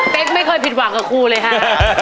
เป็นไม่เคยผิดหวังกับครูเลยค่ะ